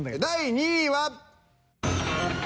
第２位は。